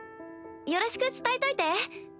よろしく伝えといて。